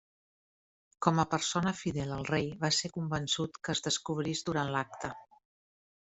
Com a persona fidel al rei va ser convençut que es descobrís durant l'acte.